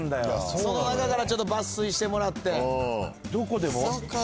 その中から抜粋してもらって。